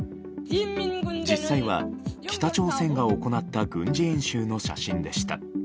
実際は北朝鮮が行った軍事演習の写真でした。